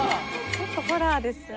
ちょっとホラーですよね。